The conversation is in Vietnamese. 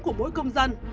của mỗi công dân